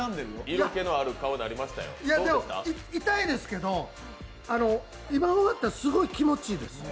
痛いですけど、今終わったらすごい気持ちいいです。